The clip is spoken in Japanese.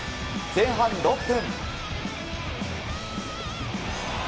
前半６分。